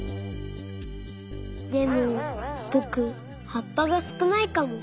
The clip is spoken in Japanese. でもぼくはっぱがすくないかも。